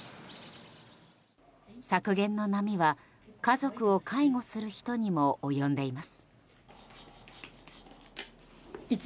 削減の波は、家族を介護する人にも及んでいます。